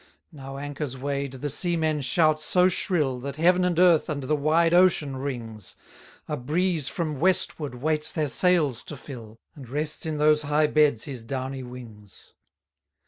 178 Now anchors weigh'd, the seamen shout so shrill, That heaven and earth and the wide ocean rings: A breeze from westward waits their sails to fill, And rests in those high beds his downy wings.